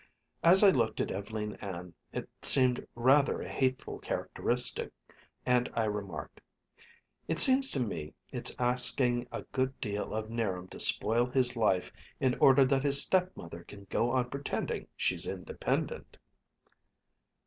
As I looked at Ev'leen Ann it seemed rather a hateful characteristic, and I remarked, "It seems to me it's asking a good deal of 'Niram to spoil his life in order that his stepmother can go on pretending she's independent."